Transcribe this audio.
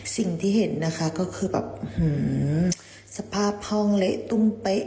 สิ่งที่เห็นนะคะก็คือแบบสภาพห้องเละตุ้มเป๊ะ